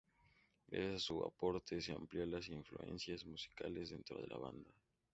Gracias a su aporte se amplían las influencias musicales dentro de la banda.